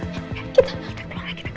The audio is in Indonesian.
kita keluar kita harus keluar